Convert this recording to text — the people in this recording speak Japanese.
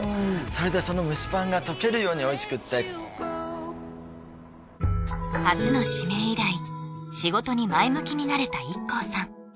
それでその蒸しパンが溶けるようにおいしくって初の指名以来仕事に前向きになれたＩＫＫＯさん